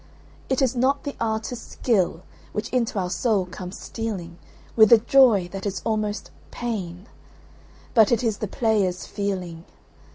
It is not the artist's skill which into our soul comes stealing With a joy that is almost pain, but it is the player's feeling.